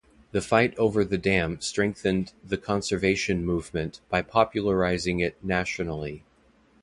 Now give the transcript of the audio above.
The fight over the dam strengthened the conservation movement by popularizing it nationally.